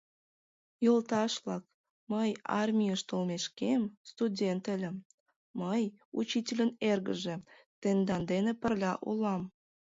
— Йолташ-влак, мый, армийыш толмешкем, студент ыльым, мый, учительын эргыже, тендан дене пырля улам.